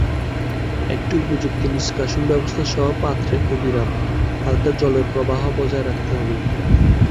একটি উপযুক্ত নিষ্কাশন ব্যবস্থা সহ পাত্রে অবিরাম, হালকা জলের প্রবাহ বজায় রাখতে হবে।